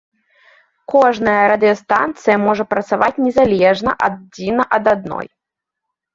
Кожная радыёстанцыя можа працаваць незалежна адзіна ад адной.